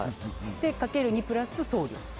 で、かける２プラス送料。